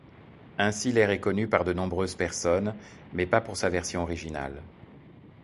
Ainsi l'air est connu par de nombreuses personnes, mais pas pour sa version originale.